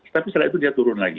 tapi setelah itu dia turun lagi